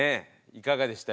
いかがでした？